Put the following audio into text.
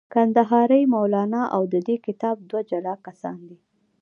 کندهاری مولانا او د دې کتاب دوه جلا کسان دي.